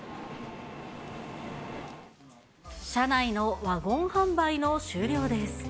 車内のワゴン販売の終了です。